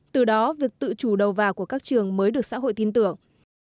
từ đó việc tự chủ đầu vào của các trường mới được xã hội tin tưởng